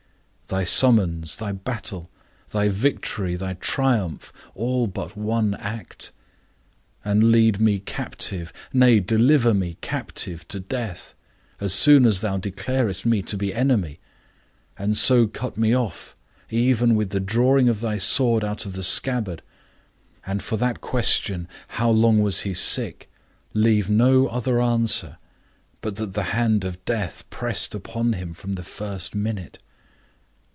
Thy summons, thy battle, thy victory, thy triumph, all but one act; and lead me captive, nay, deliver me captive to death, as soon as thou declarest me to be enemy, and so cut me off even with the drawing of thy sword out of the scabbard, and for that question, How long was he sick? leave no other answer, but that the hand of death pressed upon him from the first minute?